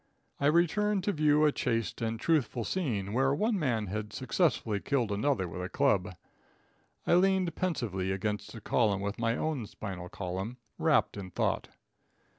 I returned to view a chaste and truthful scene where one man had successfully killed another with a club. I leaned pensively against a column with my own spinal column, wrapped in thought.